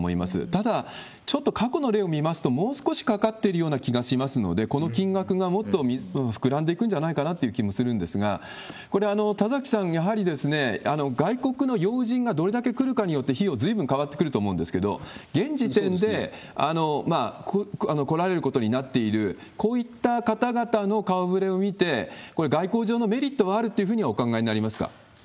ただ、ちょっと過去の例を見ますと、もう少しかかってるような気がしますので、この金額がもっと膨らんでいくんじゃないかなっていう気もするんですが、これ、田崎さん、やはり外国の要人がどれだけ来るかによって費用ずいぶん変わってくると思うんですけど、現時点で来られることになっている、こういった方々の顔ぶれを見て、これ、外交上のメリットはあるっていうふうにはお考えになりますか？